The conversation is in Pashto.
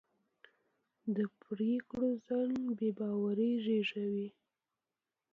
د پرېکړو ځنډ بې باوري زېږوي